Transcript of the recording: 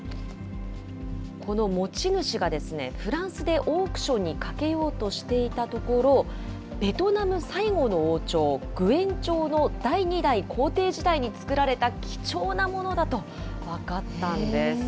この持ち主が、フランスでオークションにかけようとしていたところ、ベトナム最後の王朝、グエン朝の第２代皇帝時代に作られた貴重なものだと分かったんです。